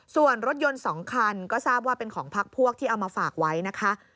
ส่วนรถยนต์๒คันก็ทราบว่าเป็นของพักพวกที่เอามาฝากไว้นะคะ